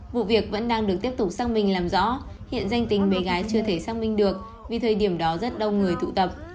vụ việc vẫn đang được tiếp tục xác minh làm rõ hiện danh tính bé gái chưa thể xác minh được vì thời điểm đó rất đông người tụ tập